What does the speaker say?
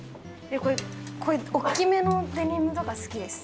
こういう大きめのデニムとか好きです。